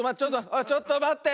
おいちょっとまって！